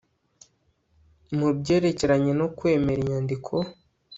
mu byerekeranye no kwemera inyandiko